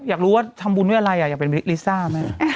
อยากรู้ว่าทำบุญเพื่ออะไรอยากเป็นลิซ่าแม่